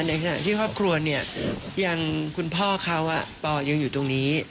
ในขณะที่ครอบครัวเนี่ยอย่างคุณพ่อเขาปอยังอยู่ตรงนี้